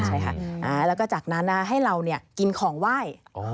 ใช่ค่ะแล้วก็จากนั้นให้เรากินของไหว้